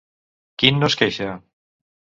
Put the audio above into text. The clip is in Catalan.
Quin no es queixa?